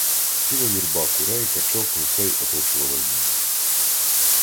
Ціла юрба курей, качок, гусей оточувала її.